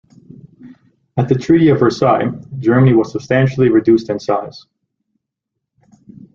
At the Treaty of Versailles, Germany was substantially reduced in size.